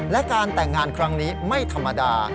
และการแต่งงานครั้งนี้ไม่ธรรมดา